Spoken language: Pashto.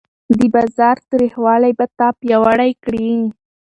د بازار تریخوالی به تا پیاوړی کړي.